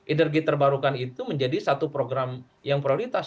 energi terbarukan itu menjadi satu program yang prioritas